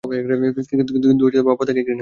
কিন্তু বাবা তাকে ঘৃণা করে।